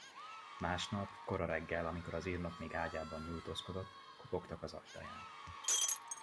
Másnap, kora reggel, amikor az írnok még ágyban nyújtózkodott, kopogtak az ajtaján.